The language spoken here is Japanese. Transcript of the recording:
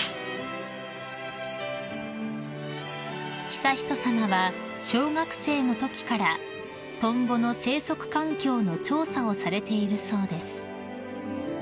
［悠仁さまは小学生のときからトンボの生息環境の調査をされているそうです］